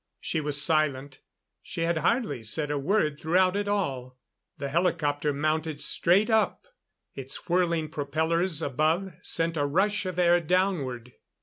She was silent; she had hardly said a word throughout it all.... The helicopter mounted straight up; its whirling propellers above sent a rush of air downward.